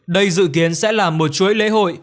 đây dự kiến sẽ là một chuỗi lễ hội